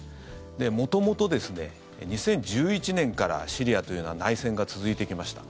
元々ですね、２０１１年からシリアというのは内戦が続いてきました。